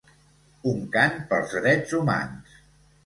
Un cant pels drets humans.